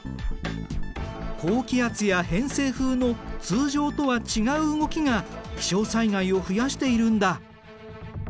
高気圧や偏西風の通常とは違う動きが気象災害を増やしているんだ。